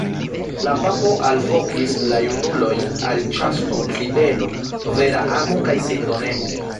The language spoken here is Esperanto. La papo alvokis la junulojn al ĉasto, fidelo, vera amo kaj sindonemo.